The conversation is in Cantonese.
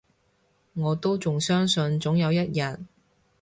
我都仲相信，總有一日